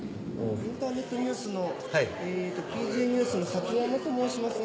インターネットニュースのＰＧニュースの崎山と申しますが。